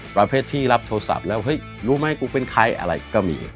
ประเภทที่รับโทรศัพท์แล้วเฮ้ยรู้ไหมกูเป็นใครอะไรก็มี